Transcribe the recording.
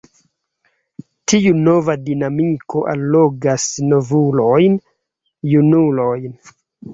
Tiu nova dinamiko allogas novulojn; junulojn.